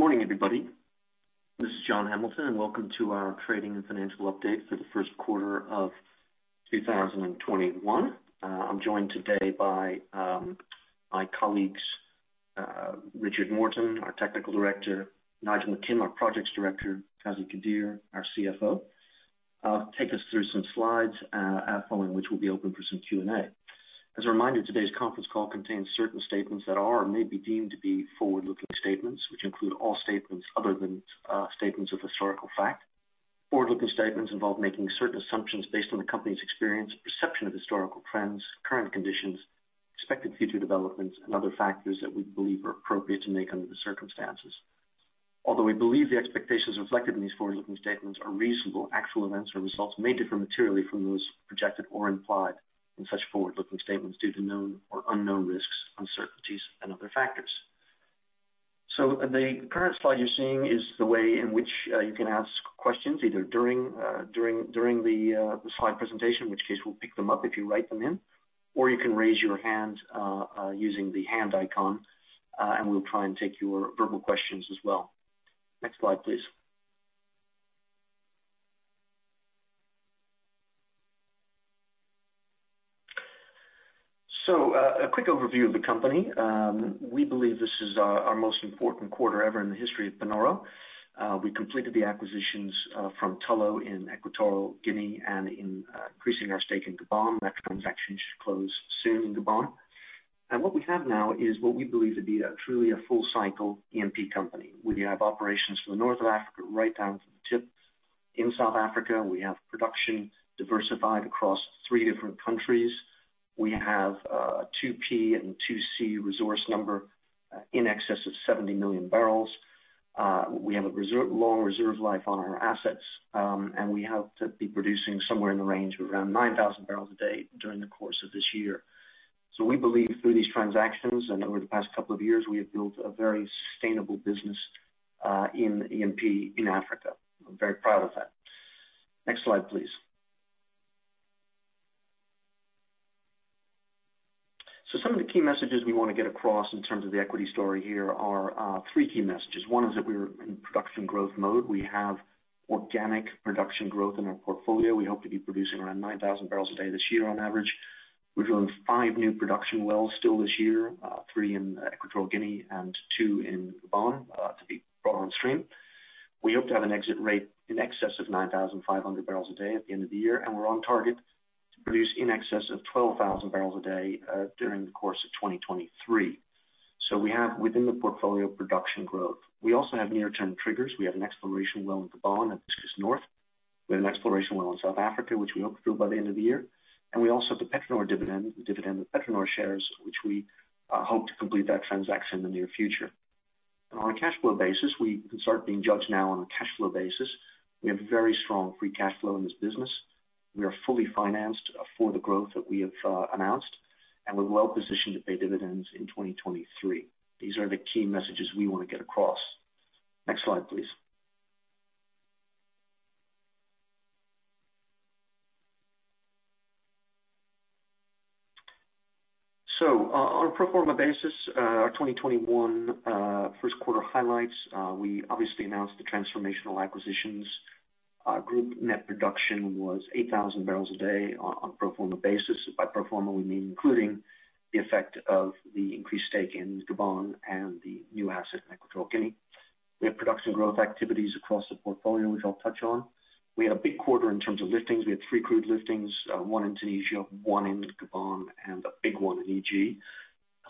Good morning, everybody. This is John Hamilton, and welcome to our trading and financial update for the first quarter of 2021. I'm joined today by my colleagues, Richard Morton, our Technical Director, Nigel McKim, our Projects Director, Qazi Qadeer, our CFO. Take us through some slides, following which we'll be open for some Q&A. As a reminder, today's conference call contains certain statements that are or may be deemed to be forward-looking statements, which include all statements other than statements of historical fact. Forward-looking statements involve making certain assumptions based on the company's experience, perception of historical trends, current conditions, expected future developments, and other factors that we believe are appropriate to make under the circumstances. Although we believe the expectations reflected in these forward-looking statements are reasonable, actual events or results may differ materially from those projected or implied in such forward-looking statements due to known or unknown risks, uncertainties, and other factors. The current slide you're seeing is the way in which you can ask questions, either during the slide presentation, in which case we'll pick them up if you write them in, or you can raise your hand using the hand icon, and we'll try and take your verbal questions as well. Next slide, please. A quick overview of the company. We believe this is our most important quarter ever in the history of Panoro. We completed the acquisitions from Equatorial Guinea and increasing our stake in Gabon. That transaction should close soon in Gabon. What we have now is what we believe to be truly a full-cycle E&P company. We have operations from the north of Africa right down to the tip. In South Africa, we have production diversified across three different countries. We have 2P and 2C resource number in excess of 70 million barrels. We have a long reserve life on our assets, and we hope to be producing somewhere in the range of around 9,000 barrels a day during the course of this year. We believe through these transactions and over the past couple of years, we have built a very sustainable business in E&P in Africa. I'm very proud of that. Next slide, please. Some of the key messages we want to get across in terms of the equity story here are three key messages. One is that we're in production growth mode. We have organic production growth in our portfolio. We hope to be producing around 9,000 barrels a day this year on average. We drilled five new production wells still this year, Equatorial Guinea and two in Gabon to be brought on stream. We hope to have an exit rate in excess of 9,500 barrels a day at the end of the year, and we're on target to produce in excess of 12,000 barrels a day during the course of 2023. We have within the portfolio production growth. We also have near-term triggers. We have an exploration well in Gabon at Hibiscus North. We have an exploration well in South Africa, which we hope to drill by the end of the year. We also have the PetroNor dollar dividend, the dividend with PetroNor shares, which we hope to complete that transaction in the near future. On a cash flow basis, we can start being judged now on a cash flow basis. We have very strong free cash flow in this business. We are fully financed for the growth that we have announced, and we're well-positioned to pay dividends in 2023. These are the key messages we want to get across. Next slide, please. On a pro forma basis, our 2021 first quarter highlights, we obviously announced the transformational acquisitions. Group net production was 8,000 barrels a day on a pro forma basis. By pro forma, we mean including the effect of the increased stake in Gabon and the new Equatorial Guinea. we have production growth activities across the portfolio, which I'll touch on. We had a big quarter in terms of liftings. We had three crude liftings, one in Tunisia, one in Gabon, and a big one in EG,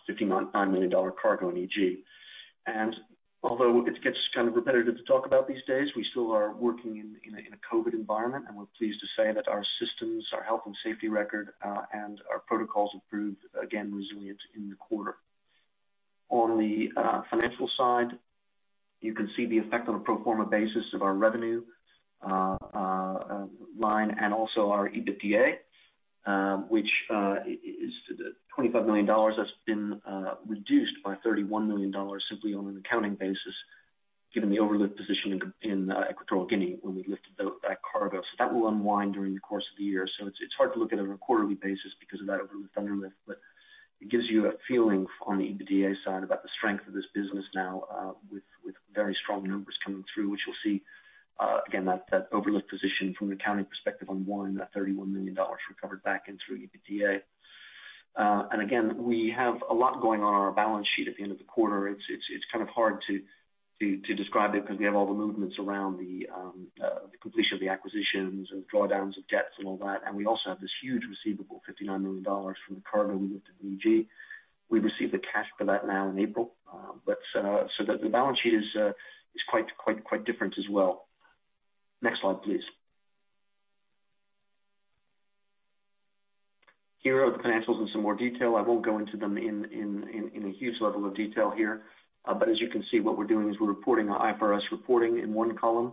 a $59 million cargo in EG. Although it gets kind of repetitive to talk about these days, we still are working in a COVID environment, and we're pleased to say that our systems, our health and safety record, and our protocols have proved again resilient in the quarter. On the financial side, you can see the effect on a pro forma basis of our revenue line and also our EBITDA, which is $25 million. That's been reduced by $31 million simply on an accounting basis, given the overlift Equatorial Guinea when we lifted that cargo. That will unwind during the course of the year. It's hard to look at it on a quarterly basis because of that overlift, but it gives you a feeling on the EBITDA side about the strength of this business now with very strong numbers coming through, which you'll see again, that overlift position from an accounting perspective unwind that $31 million recovered back into EBITDA. Again, we have a lot going on our balance sheet at the end of the quarter. It's kind of hard to describe it because we have all the movements around the completion of the acquisitions and drawdowns of debts and all that. We also have this huge receivable, $59 million from the cargo we lifted in EG. We receive the cash for that now in April. That the balance sheet is quite different as well. Next slide, please. Here are the financials in some more detail. I won't go into them in a huge level of detail here. As you can see, what we're doing is we're reporting our IFRS reporting in one column,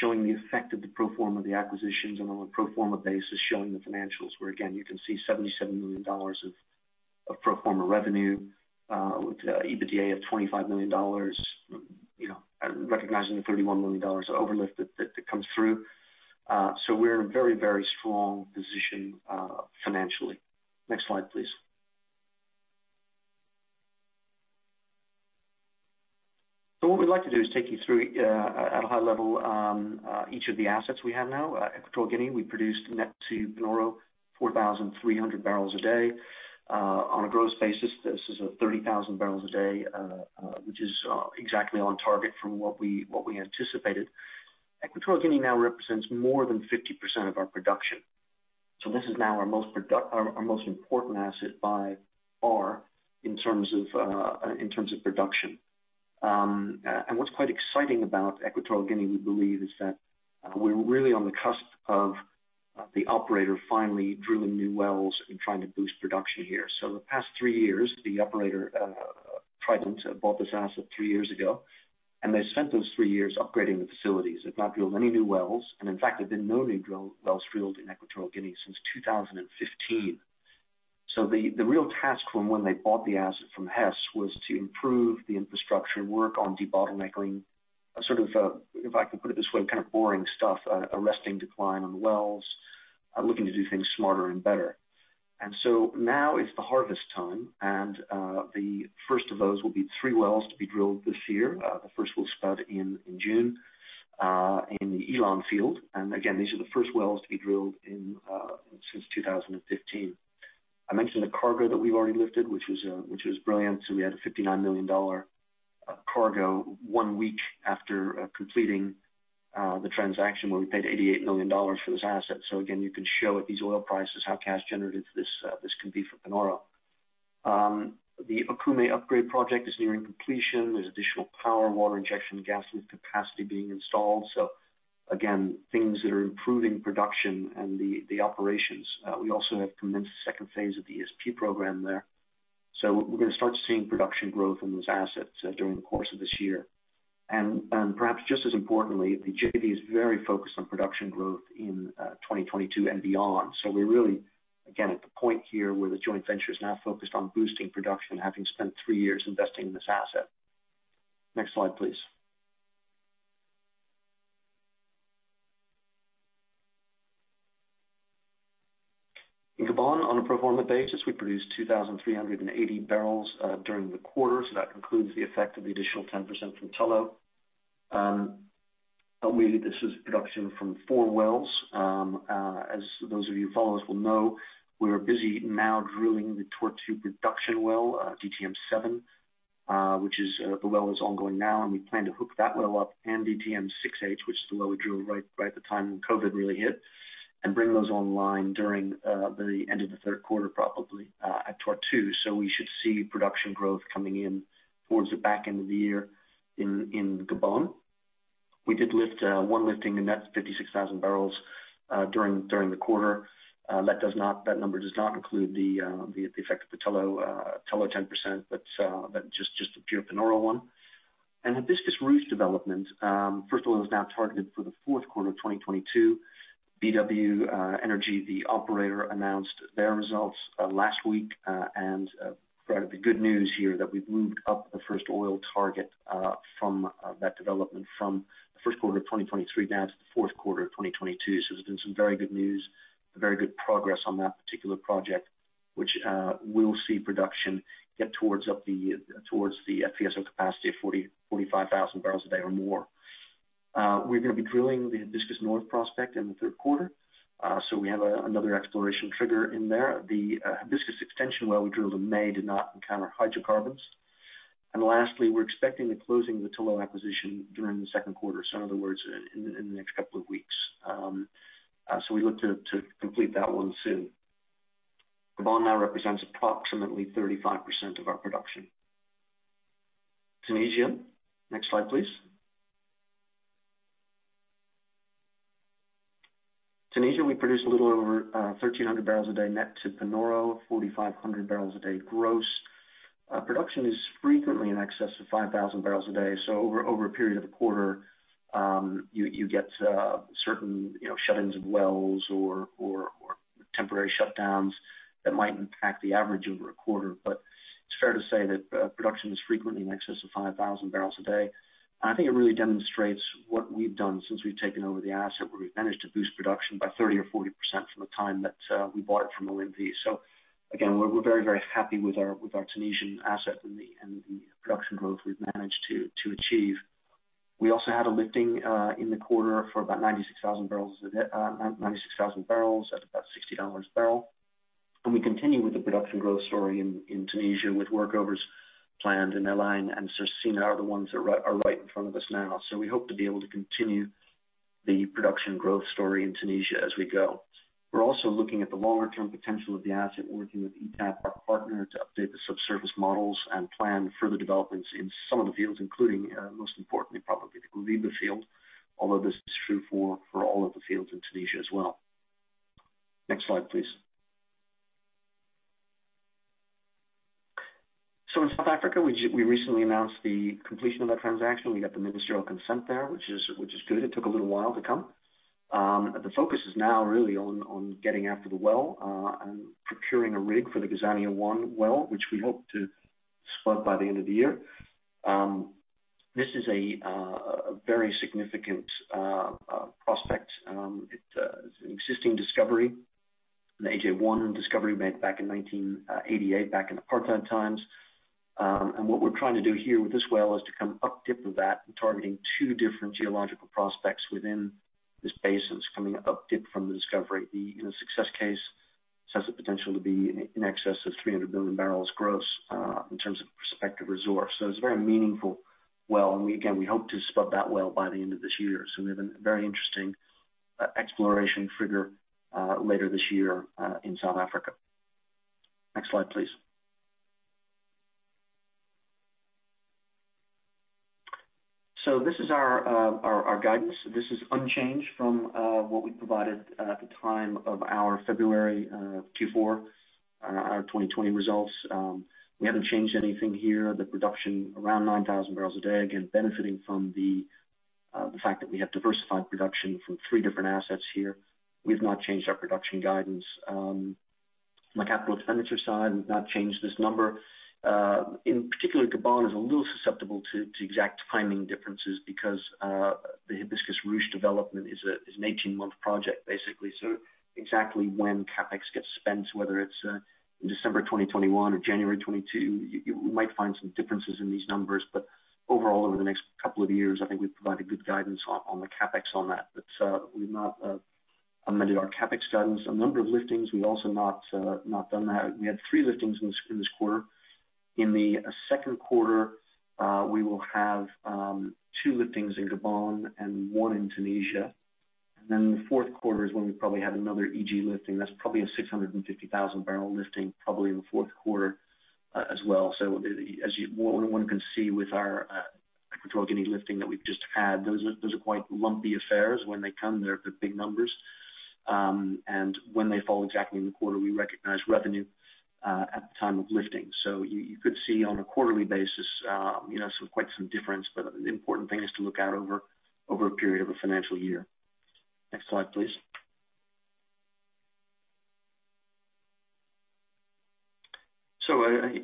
showing the effect of the pro forma of the acquisitions and on a pro forma basis, showing the financials, where again, you can see $77 million of pro forma revenue with EBITDA of $25 million. Recognizing the $31 million of uplift that comes through. We're in a very strong position financially. Next slide, please. What we'd like to do is take you through, at a high level, each of the assets we Equatorial Guinea, we produced net to Panoro 4,300 barrels a day. On a gross basis, this is 30,000 barrels a day, which is exactly on target from what Equatorial Guinea now represents more than 50% of our production. This is now our most important asset by far in terms of production. What's quite Equatorial Guinea, we believe, is that we're really on the cusp of the operator finally drilling new wells and trying to boost production here. The past three years, the operator, Trident, bought this asset three years ago, and they spent those three years upgrading the facilities. They've not drilled any new wells, and in fact, there's been no new wells drilled in Equatorial Guinea since 2015. The real task from when they bought the asset from Hess was to improve the infrastructure and work on debottlenecking, if I can put it this way, boring stuff, arresting decline on the wells, looking to do things smarter and better. Now it's the harvest time, and the first of those will be three wells to be drilled this year. The first will spud in June in the Alen field. Again, these are the first wells to be drilled since 2015. I mentioned the cargo that we already lifted, which was brilliant. We had a $59 million cargo one week after completing the transaction where we paid $88 million for this asset. Again, you can show at these oil prices how cash generative this can be for Panoro. The Okume Upgrade Project is nearing completion. There's additional power, water injection, and gas lift capacity being installed. Again, things that are improving production and the operations. We also have commenced the second phase of the ESP program there. We're going to start seeing production growth in those assets during the course of this year. Perhaps just as importantly, the JV is very focused on production growth in 2022 and beyond. We're really, again, at the point here where the joint venture is now focused on boosting production, having spent three years investing in this asset. Next slide, please. In Gabon on a pro forma basis, we produced 2,380 barrels during the quarter. That includes the effect of the additional 10% from Tullow. Mainly this was production from four wells. As those of you followers will know, we are busy now drilling the Tortue production well, DTM-7. The well is ongoing now, and we plan to hook that well up and DTM-6H, which is the well we drilled right at the time when COVID really hit, and bring those online during the end of the third quarter, probably, at Tortue. We should see production growth coming in towards the back end of the year in Gabon. We did one lifting and that's 56,000 barrels during the quarter. That number does not include the effect of the Tullow 10%, but just the pure Panoro one. The Hibiscus/Ruche development, first oil is now targeted for the fourth quarter of 2022. BW Energy, the operator, announced their results last week and the good news here that we've moved up the first oil target from that development from the first quarter of 2023 down to the fourth quarter of 2022. There's been some very good news, very good progress on that particular project, which will see production get towards the FSO capacity of 45,000 barrels a day or more. We're going to be drilling the Hibiscus North prospect in the third quarter. We have another exploration trigger in there. The Hibiscus Extension well we drilled in May did not encounter hydrocarbons. Lastly, we're expecting the closing of the Tullow acquisition during the second quarter. In other words, in the next couple of weeks. We look to complete that one soon. Gabon now represents approximately 35% of our production. Tunisia. Next slide, please. Tunisia, we produced a little over 1,300 barrels a day net to Panoro, 4,500 barrels a day gross. Production is frequently in excess of 5,000 barrels a day. Over a period of a quarter, you get certain shutdowns of wells or temporary shutdowns that might impact the average over a quarter. It's fair to say that production is frequently in excess of 5,000 barrels a day. I think it really demonstrates what we've done since we've taken over the asset, where we've managed to boost production by 30% or 40% from the time that we bought it from OMV. Again, we're very happy with our Tunisian asset and the production growth we've managed to achieve. We also had a lifting in the quarter for about 96,000 barrels at about $60 a barrel. We continue with the production growth story in Tunisia with workovers planned and aligned and sort of seeing out the ones that are right in front of us now. We hope to be able to continue the production growth story in Tunisia as we go. We're also looking at the longer-term potential of the asset. We're working with ETAP, our partner, to update the subsurface models and plan further developments in some of the fields, including, most importantly, probably the Houmt Souk field, although this is true for all of the fields in Tunisia as well. Next slide, please. In South Africa, we recently announced the completion of that transaction. We got the ministerial consent there, which is good. It took a little while to come. The focus is now really on getting out to the well and procuring a rig for the Gazania-1 well, which we hope to spud by the end of the year. This is a very significant prospect. It's an existing discovery, an AJ-1 discovery made back in 1988, back in apartheid times. What we're trying to do here with this well is to come up dip of that and targeting two different geological prospects within this basin. It's coming up dip from the discovery. In a success case, it has the potential to be in excess of 300 million barrels gross in terms of prospective resource. It's a very meaningful well, and again, we hope to spud that well by the end of this year. We have a very interesting exploration trigger later this year in South Africa. Next slide, please. This is our guidance. This is unchanged from what we provided at the time of our February Q4, our 2020 results. We haven't changed anything here. The production around 9,000 barrels a day, again, benefiting from the fact that we have diversified production from three different assets here. We've not changed our production guidance. On the capital expenditure side, we've not changed this number. In particular, Gabon is a little susceptible to exact timing differences because the Hibiscus redevelopment is an 18-month project, basically. Exactly when CapEx gets spent, whether it's in December 2021 or January 2022, we might find some differences in these numbers. Overall, in the next couple of years, I think we provide a good guidance on the CapEx on that. We've not amended our CapEx guidance. A number of liftings, we've also not done that. We had three liftings in this quarter. In the second quarter, we will have two liftings in Gabon and one in Tunisia. The fourth quarter is when we probably have another EG lifting. That's probably a 650,000-barrel lifting probably in the fourth quarter as well. As one can see Equatorial Guinea lifting that we've just had, those are quite lumpy affairs when they come, they're quite big numbers. When they fall exactly in the quarter, we recognize revenue at the time of lifting. You could see on a quarterly basis, some quite some difference, but an important thing is to look out over a period of a financial year. Next slide, please.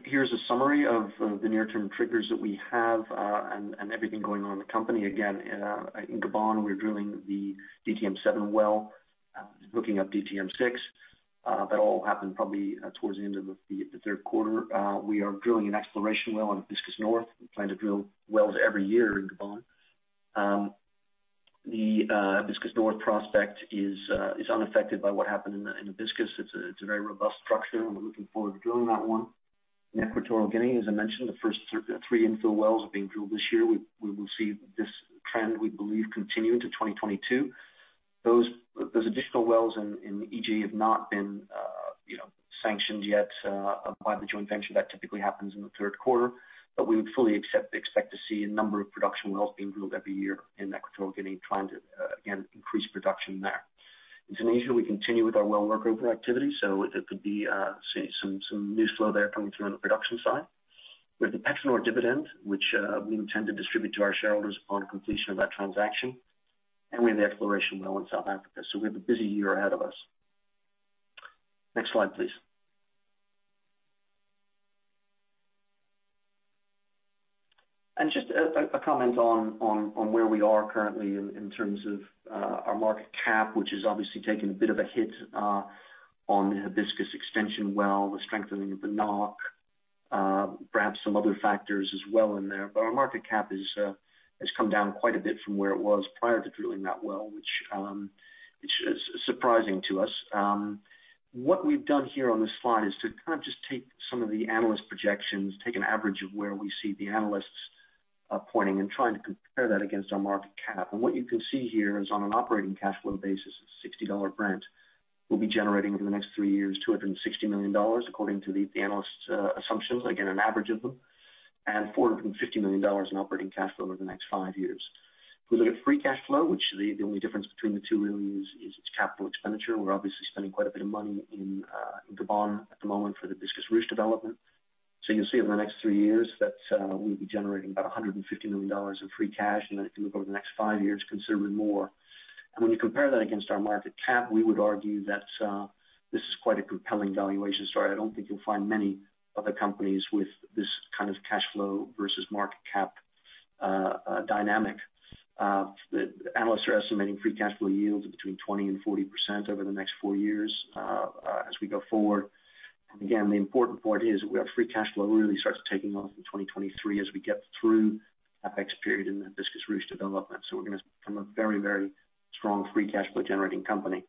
Here's a summary of the near-term triggers that we have and everything going on in the company. Again, in Gabon, we're drilling the DTM-7 well, hooking up DTM-6. That all happened probably towards the end of the third quarter. We are drilling an exploration well in Hibiscus North. We plan to drill wells every year in Gabon. The Hibiscus North prospect is unaffected by what happened in Hibiscus. It's a very robust structure, and we're looking forward to drilling that Equatorial Guinea, as i mentioned, the first three infill wells are being drilled this year. We will see this trend, we believe, continue into 2022. Those additional wells in EG have not been sanctioned yet by the joint venture. That typically happens in the third quarter. We would fully expect to see a number of production wells being drilled every Equatorial Guinea, trying to again increase production there. In Tunisia, we continue with our well workover activity, so it could be some new flow there coming through on the production side. We have the Panoro dividend, which we intend to distribute to our shareholders upon completion of that transaction. We have the exploration well in South Africa. We have a busy year ahead of us. Next slide, please. Just a comment on where we are currently in terms of our market cap, which has obviously taken a bit of a hit on the Hibiscus extension well, the strengthening of the NOK, perhaps some other factors as well in there. Our market cap has come down quite a bit from where it was prior to drilling that well, which is surprising to us. What we've done here on this slide is to kind of just take some of the analyst projections, take an average of where we see the analysts pointing and trying to compare that against our market cap. What you can see here is on an operating cash flow basis, at $60 Brent, we'll be generating over the next three years, $260 million, according to the analysts' assumptions, again, an average of them, and $450 million in operating cash flow over the next five years. If we look at free cash flow, which the only difference between the two really is capital expenditure. We're obviously spending quite a bit of money in Gabon at the moment for the Hibiscus redevelop. You'll see over the next three years that we'll be generating about $150 million of free cash, and then if you look over the next five years, considerably more. When you compare that against our market cap, we would argue that this is quite a compelling valuation story. I don't think you'll find many other companies with this kind of cash flow versus market cap dynamic. The analysts are estimating free cash flow yield between 20% and 40% over the next four years as we go forward. The important point is we have free cash flow really starts taking off in 2023 as we get through CapEx period in the Hibiscus redevelop. We're going to become a very strong free cash flow generating company.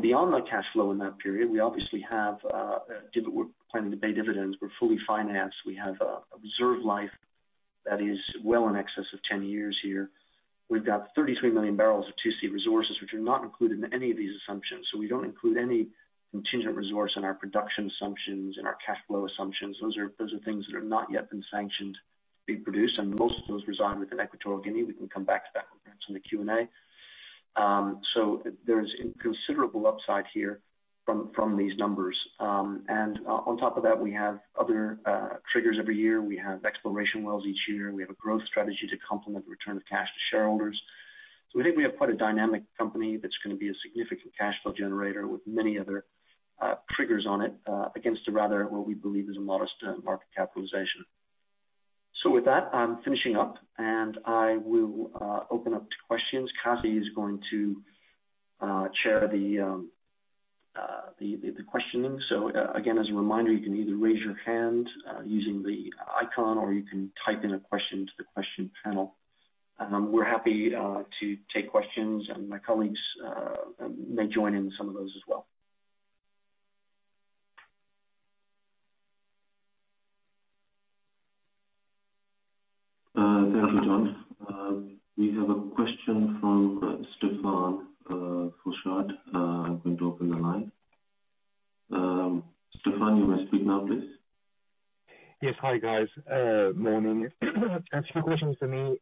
Beyond that cash flow in that period, we obviously plan to pay dividends. We're fully financed. We have a reserve life that is well in excess of 10 years here. We've got 33 million barrels of 2C resources, which are not included in any of these assumptions. We don't include any contingent resource in our production assumptions, in our cash flow assumptions. Those are things that are not yet been sanctioned to be produced, and most of those Equatorial Guinea. we can come back to that, perhaps, in the Q&A. Considerable upside here from these numbers. On top of that, we have other triggers every year. We have exploration wells each year, and we have a growth strategy to complement the return of cash to shareholders. We think we have quite a dynamic company that's going to be a significant cash flow generator with many other triggers on it, against a rather, what we believe is a modest market capitalization. With that, I'm finishing up, and I will open up to questions. Qazi is going to chair the questioning. Again, as a reminder, you can either raise your hand using the icon, or you can type in a question to the question panel. We're happy to take questions, and my colleagues may join in some of those as well. Thanks, John. We have a question from Stephane Foucaud. I'm going to open the line. Stephane, you may speak now, please. Yes. Hi, guys. Morning. Two questions for me.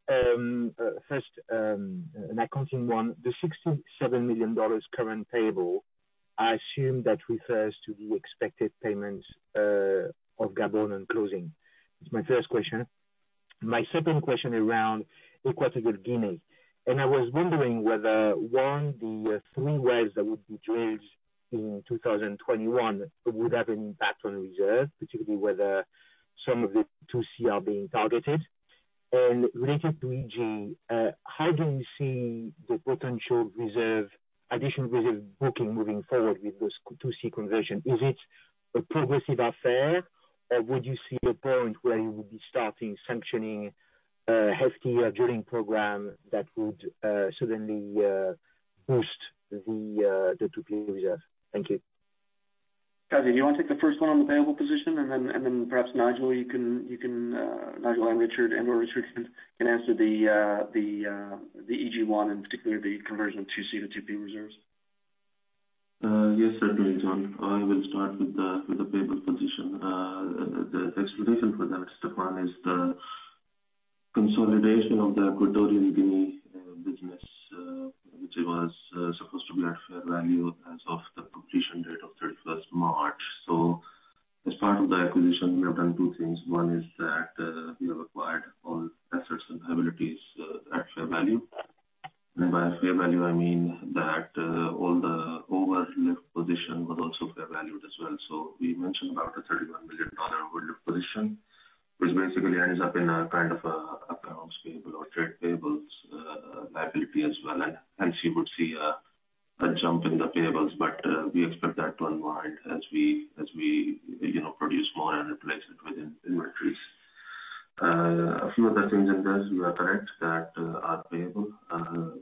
First, an accounting one, the $67 million current payable, I assume that refers to the expected payments of Gabon on closing. That's my first question. My second Equatorial Guinea. i was wondering whether, one, the three wells that would be drilled in 2021 would have an impact on reserve, particularly whether some of the 2C are being targeted. Related to EG, how do you see the potential additional reserve booking moving forward with this 2C conversion? Is it a progressive affair, or would you see a point where you would be starting sanctioning a hefty drilling program that would suddenly boost the 2P reserve? Thank you. Qazi, you want to take the first one on the payable position, and then perhaps Nigel or Richard can answer the EG one, and particularly the conversion of 2C to 2P reserves? Yes, certainly, John. I will start with the payable position. The explanation for that, Stephane, is the consolidation Equatorial Guinea business, which was supposed to be at fair value as of the completion date of March 31st. As part of the acquisition, we have done two things. One is that we have acquired all assets and liabilities at fair value. By fair value, I mean that all the overlift position were also revalued as well. We mentioned about a $31 million overlift position, which basically ends up in a kind of a accounts payable or trade payables liability as well. Hence you would see a jump in the payables, but we expect that to unwind as we produce more and replace it within inventories. A few other things on this, you are correct that our payable,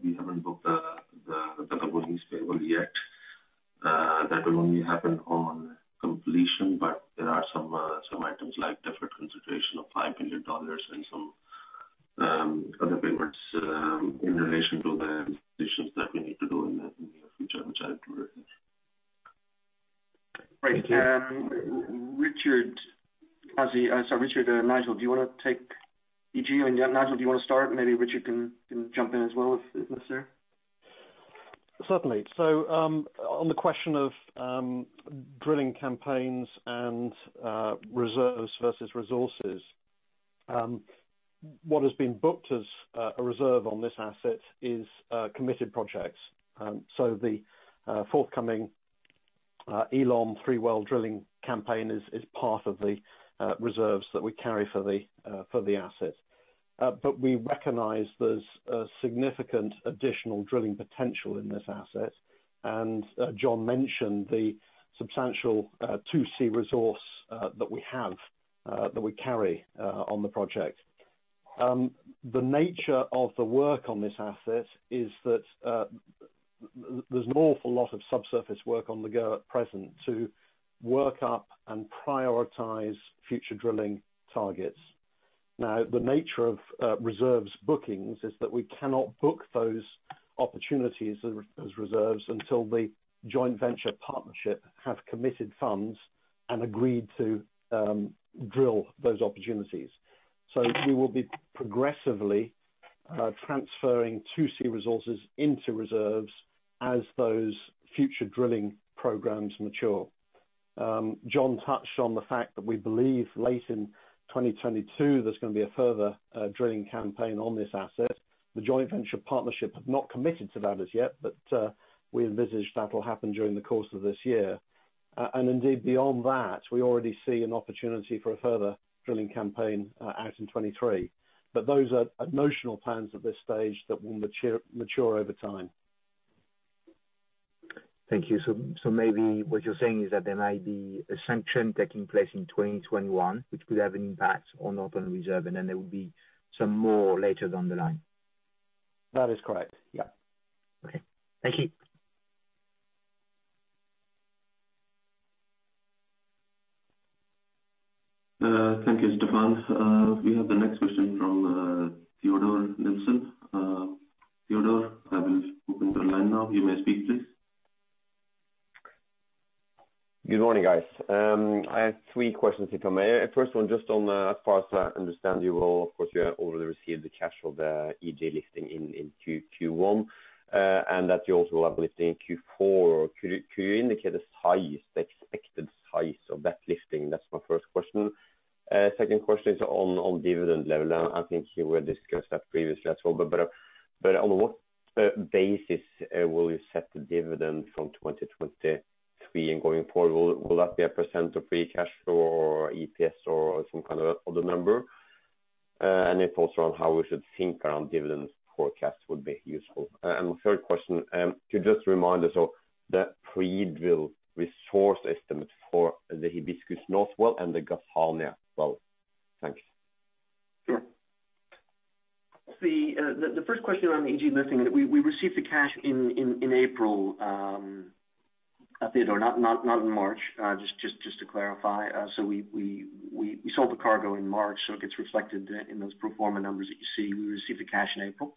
we haven't booked the Gabonese payable yet. That will only happen on completion. There are some items like deferred consideration of $5 million and some other payables in relation to the implementations that we need to do in the future inside Equator Guinea. Right. Richard and Nigel, do you want to take EG? Nigel, do you want to start? Maybe Richard can jump in as well if necessary. Certainly. On the question of drilling campaigns and reserves versus resources, what has been booked as a reserve on this asset is committed projects. The forthcoming Alen three-well drilling campaign is part of the reserves that we carry for the asset. We recognize there's significant additional drilling potential in this asset, and John mentioned the substantial 2C resource that we have, that we carry on the project. The nature of the work on this asset is that there's an awful lot of subsurface work on the go at present to work up and prioritize future drilling targets. The nature of reserves bookings is that we cannot book those opportunities as reserves until the joint venture partnership have committed funds and agreed to drill those opportunities. We will be progressively transferring 2C resources into reserves as those future drilling programs mature. John touched on the fact that we believe late in 2022, there's going to be a further drilling campaign on this asset. The joint venture partnership have not committed to that as yet, but we envisage that will happen during the course of this year. Indeed, beyond that, we already see an opportunity for a further drilling campaign out in 2023. Those are notional plans at this stage that will mature over time. Thank you. Maybe what you're saying is that there may be a sanction taking place in 2021, which will have impact on open reserve, and then there will be some more later down the line. That is correct. Yeah. Okay. Thank you. Thank you, Stephane Foucaud. We have the next question from Teodor Sveen-Nilsen. Teodor Sveen-Nilsen, I will open the line now. You may speak, please. Good morning, guys. I have three questions if I may. First one, just on as far as I understand you all, of course, you have already received the cash of the EG lifting in Q1, and that you also have lifting in Q4. Could you indicate the expected size of that lifting? That's my first question. Second question is on dividend level. Now, I think you were discussing that previously as well, but on what basis will you set the dividend from 2023 going forward? Will that be a % of free cash flow or EPS or some kind of other number? If also on how we should think around dividends forecast would be useful. The third question, could you just remind us of the pre-drill resource estimates for the Hibiscus North well and the Gazania well? Thanks. Sure. The first question on the EG lifting, we received the cash in April, Teodor, not in March, just to clarify. We sold the cargo in March, so it gets reflected in those pro forma numbers that you see. We received the cash in April.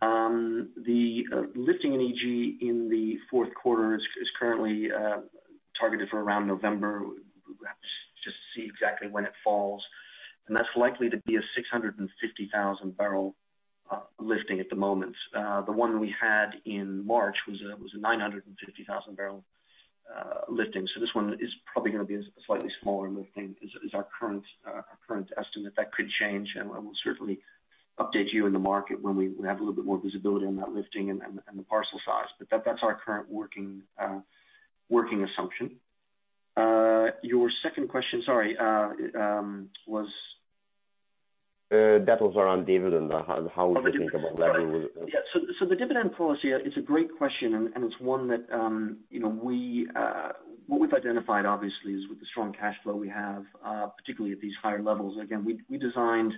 The lifting in EG in the fourth quarter is currently targeted for around November. We'll have to just see exactly when it falls. That's likely to be a 650,000 barrel lifting at the moment. The one we had in March was a 950,000 barrel lifting. This one is probably going to be a slightly smaller lifting, is our current estimate. That could change, and we'll certainly update you in the market when we have a little bit more visibility on that lifting and the parcel size. That's our current working assumption. Your second question, sorry, was? That was around dividend. How we should think about that. Okay. The dividend policy, it's a great question, and it's one that what we've identified, obviously, is with the strong cash flow we have, particularly at these higher levels. Again, we designed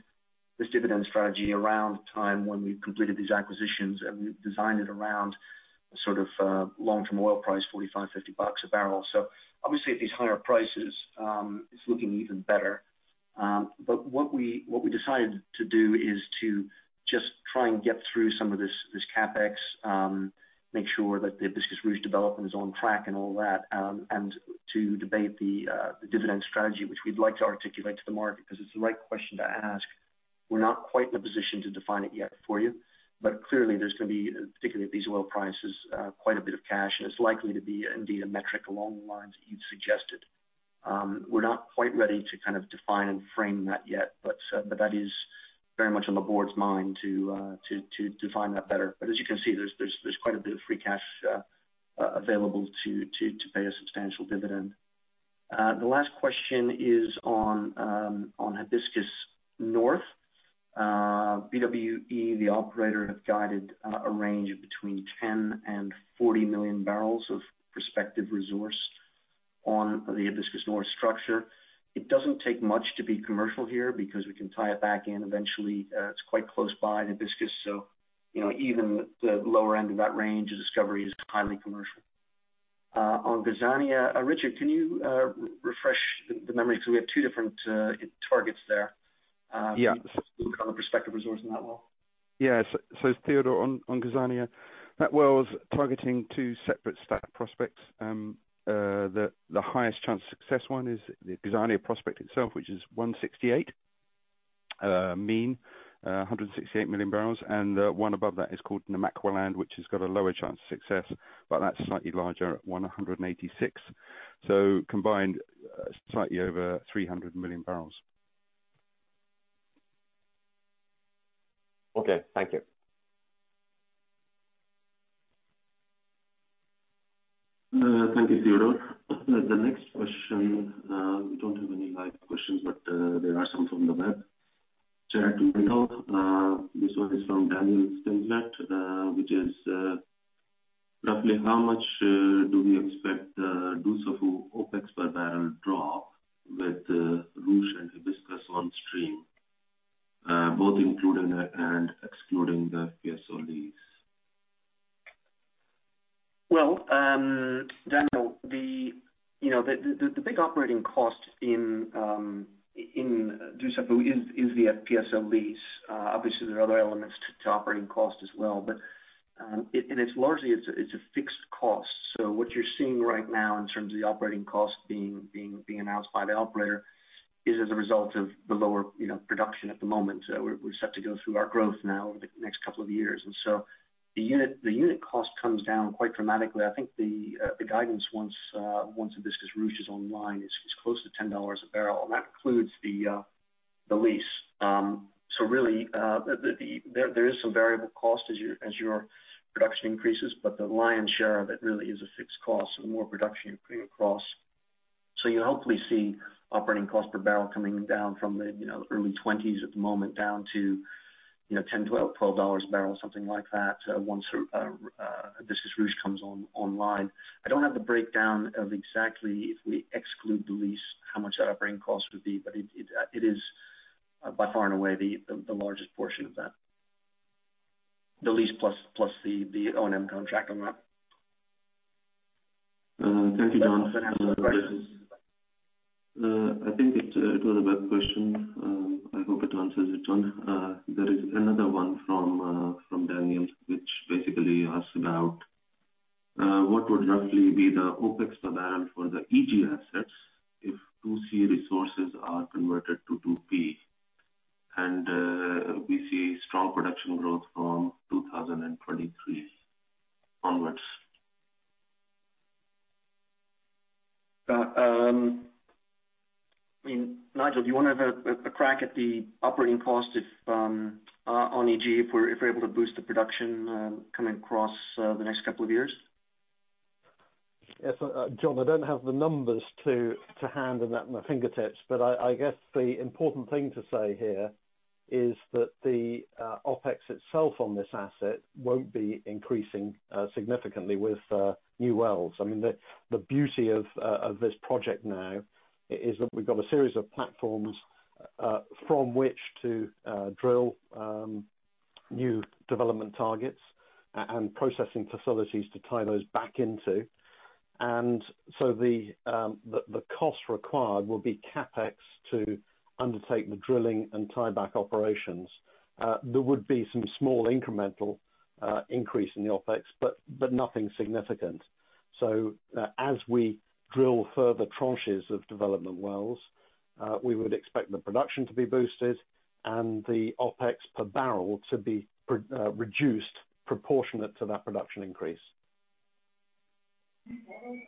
this dividend strategy around the time when we completed these acquisitions, and we designed it around a long-term oil price, $45, $50 a barrel. Obviously, at these higher prices, it's looking even better. What we decided to do is to just try and get through some of this CapEx, make sure that the Hibiscus/Ruche development is on track and all that, and to debate the dividend strategy, which we'd like to articulate to the market, because it's the right question to ask. We're not quite in a position to define it yet for you. Clearly, there's going to be, particularly at these oil prices, quite a bit of cash, and it's likely to be a metric along the lines that you've suggested. We're not quite ready to kind of define and frame that yet. That is very much on the board's mind to define that better. As you can see, there's quite a bit of free cash available to pay a substantial dividend. The last question is on Hibiscus North. BWE, the operator, have guided a range of between 10 and 40 million barrels of prospective resource on the Hibiscus North structure. It doesn't take much to be commercial here because we can tie it back in eventually. It's quite close by to Hibiscus, even the lower end of that range of discovery is highly commercial. On Gazania, Richard, can you refresh the memory? We have two different targets there. Yeah. In terms of prospective resource in that well. Yeah. Teodor, on Gazania, that well is targeting two separate stack prospects. The highest chance of success one is the Gazania prospect itself, which is 168 million barrels, and the one above that is called Namaqualand, which has got a lower chance of success, but that's slightly larger at 186. Combined, slightly over 300 million barrels. Okay. Thank you. Thank you, Teodor. The next question, we don't have any live questions, but there are some from the web. To kick off, this one is from Daniel at Stifel, which is, "Roughly how much do we expect Dussafu OpEx per barrel drop with the Ruche and Hibiscus on stream, both including and excluding the FPSO lease? Well, Daniel, the big operating cost in Dussafu is the FPSO lease. Obviously, there are other elements to operating cost as well, but it's largely a fixed cost. What you're seeing right now in terms of the operating cost being announced by the operator is as a result of the lower production at the moment. We still have to go through our growth now in the next couple of years. The unit cost comes down quite dramatically. I think the guidance once Hibiscus/Ruche is online is close to $10 a barrel, and that includes the lease. Really, there is some variable cost as your production increases, but the lion's share of it really is a fixed cost. The more production you bring across. You'll hopefully see operating cost per barrel coming down from the early $20s at the moment down to $10, $12 a barrel, something like that once Hibiscus/Ruche comes online. I don't have the breakdown of exactly if we exclude the lease, how much the operating cost would be, but it is by far and away the largest portion of that. The lease plus the O&M contract amount. Thank you, John. Another question. I think it was a good question. I hope it answers it. There is another one from Daniel Stenslet which basically asks about what would roughly be the OpEx per barrel for the EG assets if 2C resources are converted to 2P, and we see strong production growth from 2023 onwards. Nigel McKim, do you want to have a crack at the operating cost on EG if we're able to boost the production coming across the next couple of years? Yes. John, I don't have the numbers to hand on my fingertips, but I guess the important thing to say here is that the OpEx itself on this asset won't be increasing significantly with new wells. I mean, the beauty of this project now is that we've got a series of platforms from which to drill new development targets and processing facilities to tie those back into. The cost required will be CapEx to undertake the drilling and tieback operations. There would be some small incremental increase in the OpEx, but nothing significant. As we drill further tranches of development wells, we would expect the production to be boosted and the OpEx per barrel to be reduced proportionate to that production increase.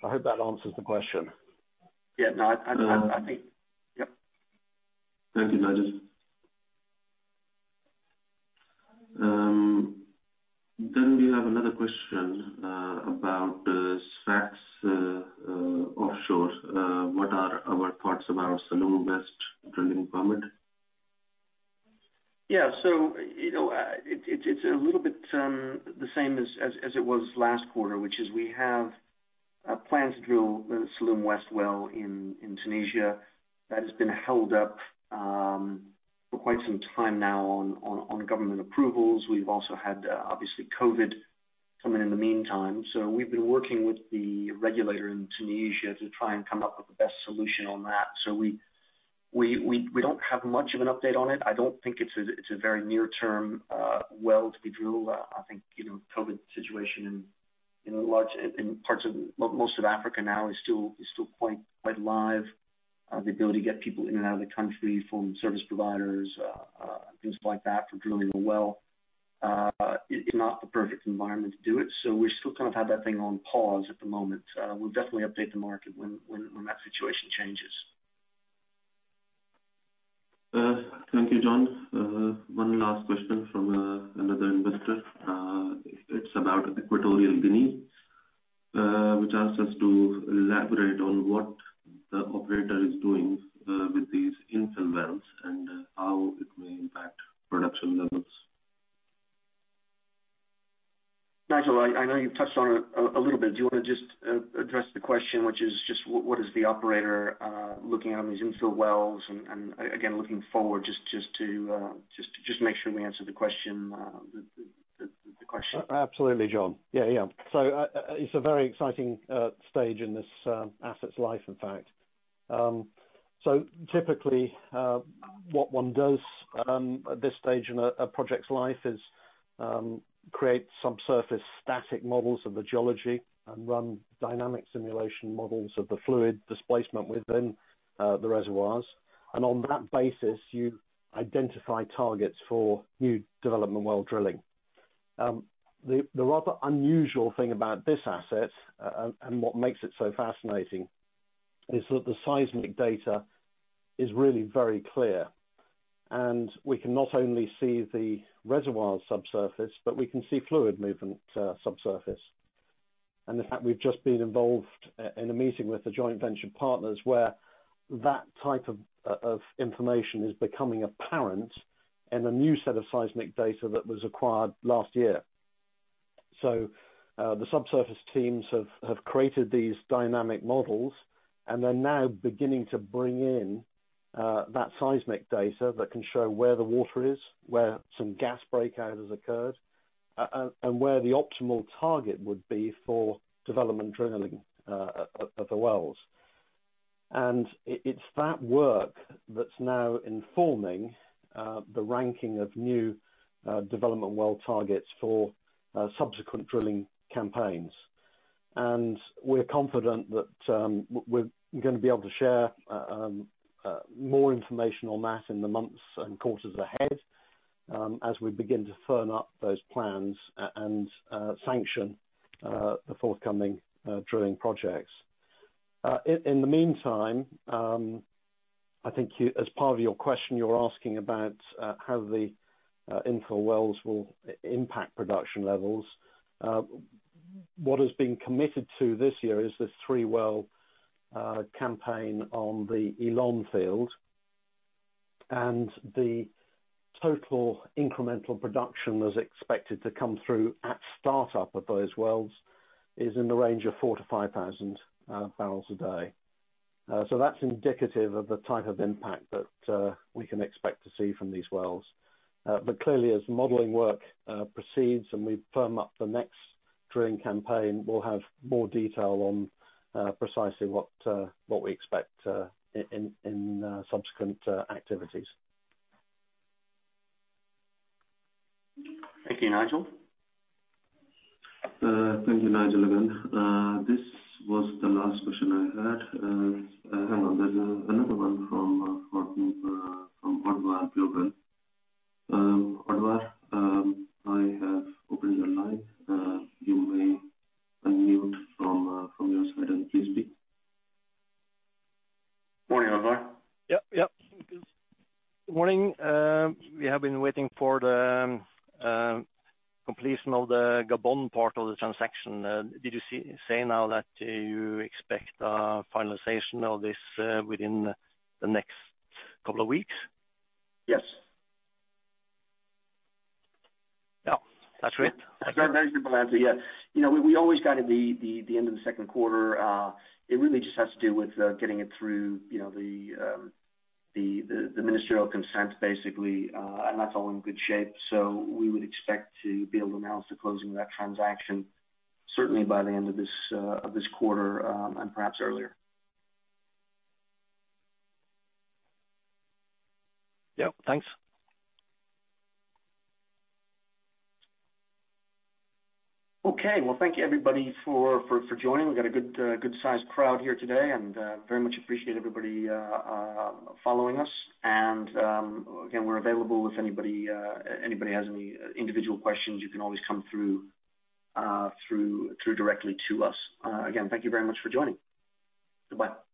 I hope that answers the question. Yeah. I'm happy. Yep. Thank you, Nigel. We have another question about the Sfax Offshore. What are our thoughts about the Salloum West drilling permit? Yeah. It's a little bit the same as it was last quarter, which is we have plans to drill the Salloum West well in Tunisia that has been held up for quite some time now on government approvals. We've also had obviously COVID come in the meantime. We've been working with the regulator in Tunisia to try and come up with the best solution on that. I don't think it's a very near-term well to be drilled. I think COVID situation in most of Africa now is still quite live. The ability to get people in and out of the country from service providers things like that for drilling a well, is not the perfect environment to do it. We still have that thing on pause at the moment. We'll definitely update the market when that situation changes. Thank you, John. One last question from another investor. Equatorial Guinea which asks us to elaborate on what the operator is doing with these infill wells and how it may impact production levels. Nigel, I know you touched on it a little bit. Do you want to just address the question, which is just what is the operator looking at on these infill wells? Again, looking forward just to make sure we answer the question. Absolutely, John. Yeah. It's a very exciting stage in this asset's life, in fact. Typically, what one does at this stage in a project's life is create subsurface static models of the geology and run dynamic simulation models of the fluid displacement within the reservoirs. On that basis, you identify targets for new development well drilling. The rather unusual thing about this asset, and what makes it so fascinating, is that the seismic data is really very clear, and we can not only see the reservoir subsurface, but we can see fluid movement subsurface. In fact, we've just been involved in a meeting with the joint venture partners where that type of information is becoming apparent in a new set of seismic data that was acquired last year. The subsurface teams have created these dynamic models, and they're now beginning to bring in that seismic data that can show where the water is, where some gas breakout has occurred, and where the optimal target would be for development drilling of the wells. It's that work that's now informing the ranking of new development well targets for subsequent drilling campaigns. We're confident that we're going to be able to share more information on that in the months and quarters ahead as we begin to firm up those plans and sanction the forthcoming drilling projects. In the meantime, I think as part of your question, you're asking about how the infill wells will impact production levels. The total incremental production that's expected to come through at startup of those wells is in the range of 4,000-5,000 barrels a day. That's indicative of the type of impact that we can expect to see from these wells. Clearly, as modeling work proceeds and we firm up the next drilling campaign, we'll have more detail on precisely what we expect in subsequent activities. Thank you, Nigel. Thank you, Nigel, again. This was the last question I had. Hang on. There's another one from Auctus Advisor, I have opened the line. You may unmute from your side and please speak. Morning, Auctus Advisor Yeah. Morning. We have been waiting for the completion of the Gabon part of the transaction. Did you say now that you expect finalization of this within the next couple of weeks? Yes. Yeah. That's great. That's very good answer. Yeah. We always guided the end of the second quarter. It really just has to do with getting it through the ministerial consents, basically. That's all in good shape. We would expect to be able to announce the closing of that transaction certainly by the end of this quarter, and perhaps earlier. Yeah. Thanks. Okay. Well, thank you everybody for joining. We got a good-sized crowd here today, and very much appreciate everybody following us. Again, we're available if anybody has any individual questions, you can always come through directly to us. Again, thank you very much for joining. Goodbye.